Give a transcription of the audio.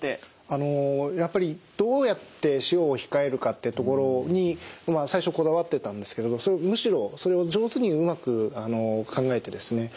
あのやっぱりどうやって塩を控えるかってところに最初こだわってたんですけれどむしろそれを上手にうまく考えてですね